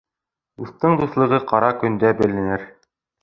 Дуҫтың дуҫлығы ҡара көндә беленер.